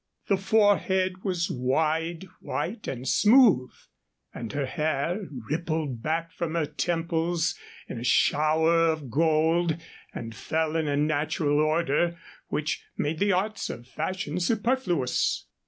The forehead was wide, white, and smooth, and her hair rippled back from her temples in a shower of gold and fell in a natural order which made the arts of fashion superfluous.